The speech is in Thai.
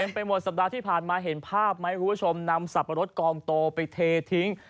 ไปหมดสัปดาห์ที่ผ่านมาเห็นภาพไหมคุณผู้ชมนำสับปะรดกองโตไปเททิ้ง